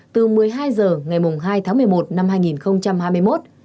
từ một mươi hai h ngày hai tháng một mươi một năm hai nghìn hai mươi một